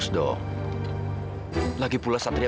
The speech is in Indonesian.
sita mau beluk mama